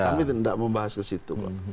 kami tidak membahas ke situ kok